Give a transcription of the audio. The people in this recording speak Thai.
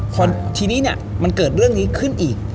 พอทีนี้เนี่ยมันเกิดเรื่องนี้ขึ้นอีก